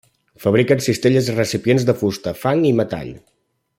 Fabriquen cistelles i recipients de fusta, fang i metall.